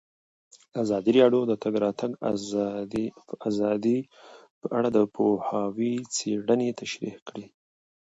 ازادي راډیو د د تګ راتګ ازادي په اړه د پوهانو څېړنې تشریح کړې.